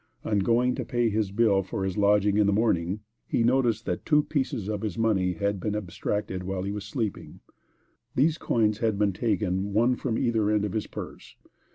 On going to pay his bill for his lodging in the morning, he noticed that two pieces of his money had been abstracted while he was sleeping. These coins had been taken one from either end of his purse.